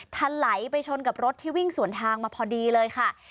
ถลายไปชนกับรถที่วิ่งสวนทางมาพอดีเลยค่ะ